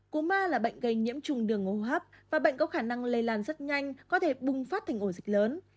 cúm a là bệnh gây nhiễm trùng đường ngô hấp và bệnh có khả năng lây lan rất nhanh có thể bùng phát thành ổ dịch lớn